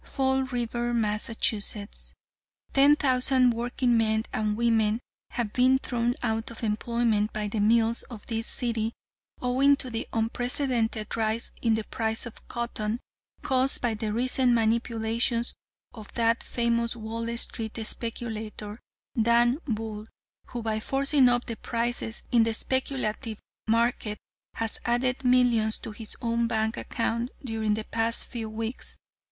"Fall River, Mass.: Ten thousand workingmen and women have been thrown out of employment by the mills of this city, owing to the unprecedented rise in the price of cotton, caused by the recent manipulations of that famous Wall Street speculator, Dan Bull, who by forcing up the prices in the speculative market has added millions to his own bank account during the past few weeks.